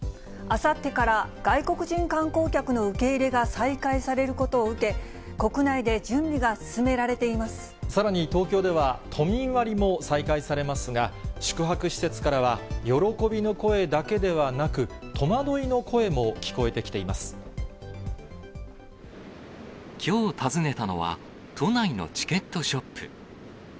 あさってから外国人観光客の受け入れが再開されることを受け、さらに東京では、都民割も再開されますが、宿泊施設からは喜びの声だけではなく、戸惑いの声も聞こえてきてきょう訪ねたのは、都内のチケットショップ。